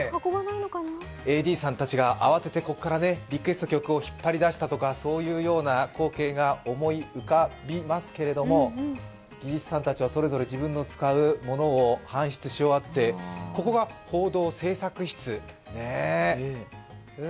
ＡＤさんたちが慌てて、こっからリクエスト曲を引っ張り出したとかい、そういうような光景が思い浮かびますけれども、技術さんたちはそれぞれ、搬出し終わって、ここが報道制作室。